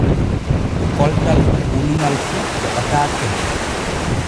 Koltal tuunuŋal fu jaɓataake.